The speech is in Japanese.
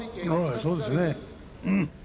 そうですね。